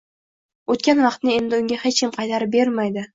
Oʻtgan vaqtni endi unga hech kim qaytarib bermaydi